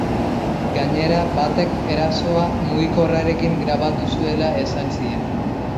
Gainera, batek erasoa mugikorrarekin grabatu zuela esan zien.